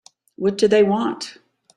What do they want?